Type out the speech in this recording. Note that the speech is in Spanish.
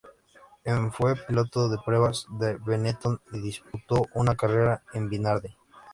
En fue piloto de pruebas de Benetton y disputó una carrera con Minardi.